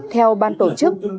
theo ban tổ chức